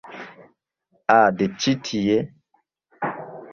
Ah de ĉi tie